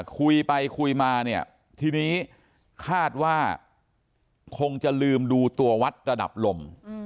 คุยไปคุยมาเนี่ยทีนี้คาดว่าคงจะลืมดูตัววัดระดับลม